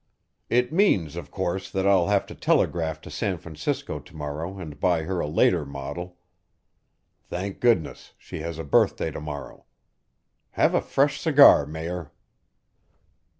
"It means, of course, that I'll have to telegraph to San Francisco to morrow and buy her a later model. Thank goodness, she has a birthday to morrow! Have a fresh cigar, Mayor."